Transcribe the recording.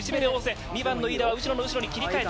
２番の飯田は内野の後ろに切り替えた。